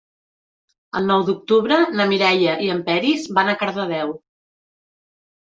El nou d'octubre na Mireia i en Peris van a Cardedeu.